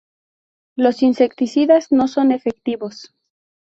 Los insecticidas no son efectivos.